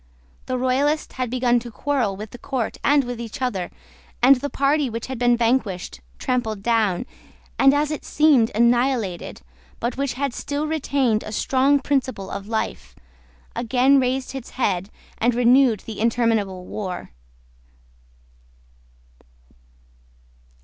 The Royalists had begun to quarrel with the court and with each other; and the party which had been vanquished, trampled down, and, as it seemed, annihilated, but which had still retained a strong principle of life, again raised its head, and renewed the interminable war.